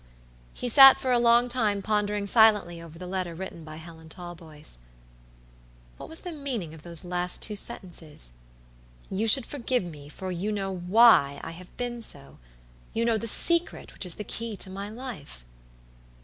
He sat for a long time pondering silently over the letter written by Helen Talboys. What was the meaning of those two last sentences"You should forgive me, for you know why I have been so. You know the secret which is the key to my life?"